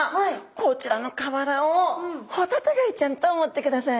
こちらの瓦をホタテガイちゃんと思ってください。